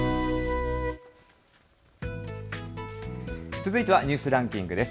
続いてはニュースランキングです。